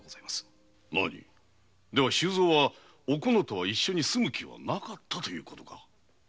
では周蔵はおこのとは一緒に住む気はなかったということか？